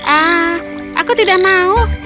ah aku tidak mau